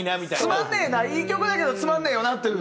つまんねえないい曲だけどつまんねえよなっていう。